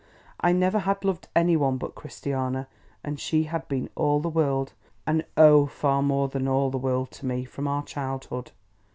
I never had loved any one but Christiana, and she had been all the world, and O far more than all the world, to me, from our childhood!